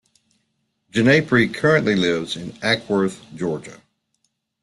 Ginepri currently lives in Acworth, Georgia.